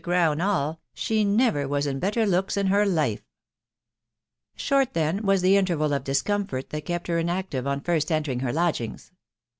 crown all* " she never wa»»iat better looks in her life;" Short, then, was the interval of discomfort that kept, her inactive on first entering her lodgings.